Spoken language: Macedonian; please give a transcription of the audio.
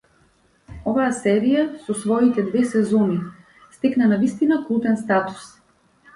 Оваа серија со своите две сезони стекна навистина култен статус.